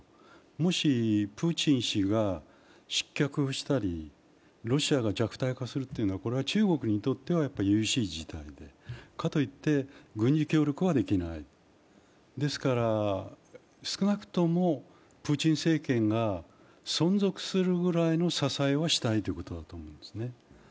もしプーチン氏が失脚したりロシアが弱体化するというのは中国にとってはゆゆしい事態で、かといって軍事協力はできない、ですから少なくともプーチン政権が存続するぐらいの支えはしたいということだと思うんです。